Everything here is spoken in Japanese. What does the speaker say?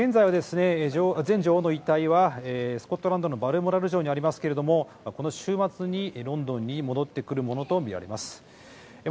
現在は前女王の遺体はスコットランドのバルモラル城にありますけれども、この週末にロンドンに戻ってくるものと思われます。